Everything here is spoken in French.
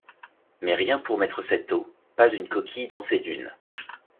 Mais rien pour mettre cette eau, pas une coquille dans ces dunes